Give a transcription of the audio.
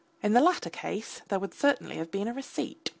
In the latter case there would certainly have been a receipt.